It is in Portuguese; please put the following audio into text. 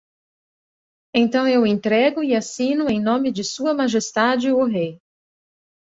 Então eu entrego e assino em nome de Sua Majestade o Rei.